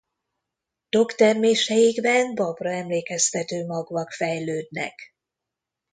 Tokterméseikben babra emlékeztető magvak fejlődnek.